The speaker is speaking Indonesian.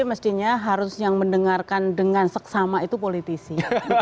mestinya harus yang mendengarkan dengan seksama itu politisi